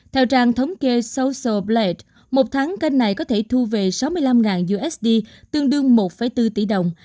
theo trang thống kê social blat một tháng kênh này có thể thu về sáu mươi năm usd tương đương một bốn tỷ đồng